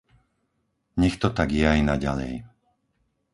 Nech to tak je aj naďalej.